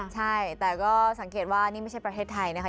ใช่แต่ก็สังเกตว่านี่ไม่ใช่ประเทศไทยนะคะ